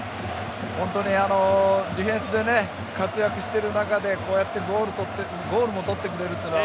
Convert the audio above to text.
本当にディフェンスで活躍している中でこうやってゴールも取ってくれるというのは